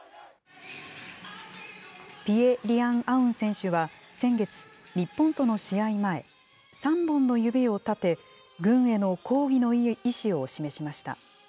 ピエ・リアン・アウン選手は先月、日本との試合前、３本の指を立て、軍への抗議の意思を示しました。